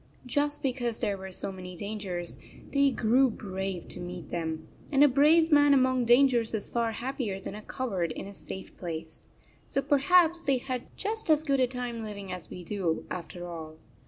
Just because there were so many dangers, they grew brave to meet them, and a brave man among dan gers is far happier than a coward in a safe place. So perhaps they had just as good a time living as we do, after all.